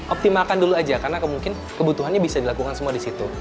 optimalkan dulu aja karena mungkin kebutuhannya bisa dilakukan semua di situ